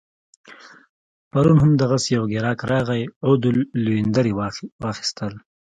پرون هم دغسي یو ګیراک راغی عود لوینډر يې اخيستل